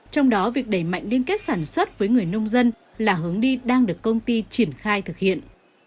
trong đó việc đẩy mạnh liên kết sản xuất với người nông dân là hướng đi đang được công ty triển khai thực hiện